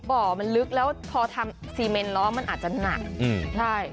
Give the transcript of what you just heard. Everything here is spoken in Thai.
เพราะบ่อมันลึกแล้วพอทำซีเมนล้อมันอาจจะหนัก